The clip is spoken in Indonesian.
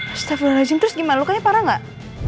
astaghfirullahaladzim terus gimana lukanya parah nggak